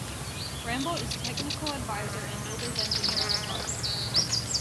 Ramboll is technical advisor and builder's enigineer on the project.